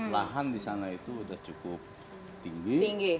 lahan di sana itu sudah cukup tinggi